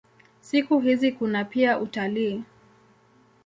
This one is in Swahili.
Siku hizi kuna pia utalii.